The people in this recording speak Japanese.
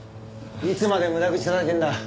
いつまで無駄口たたいてるんだ。